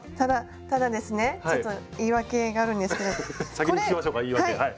先に聞きましょうか言い訳はい。